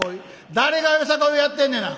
「誰が『よさこい』をやってんねんな」。